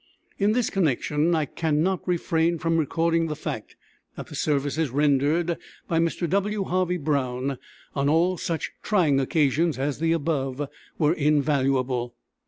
In this connection I can not refrain from recording the fact that the services rendered by Mr. W. Harvey Brown on all such trying occasions as the above were invaluable.